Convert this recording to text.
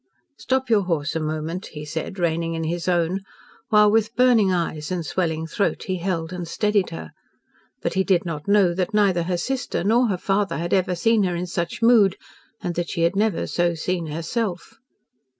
"Stop your horse a moment," he said, reining in his own, while, with burning eyes and swelling throat, he held and steadied her. But he did not know that neither her sister nor her father had ever seen her in such mood, and that she had never so seen herself.